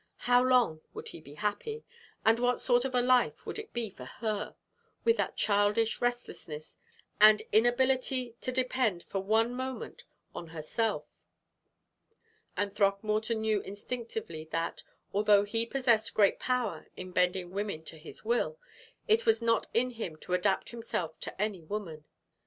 How long would he be happy? And what sort of a life would it be for her, with that childish restlessness and inability to depend for one moment on herself? And Throckmorton knew instinctively that, although he possessed great power in bending women to his will, it was not in him to adapt himself to any woman.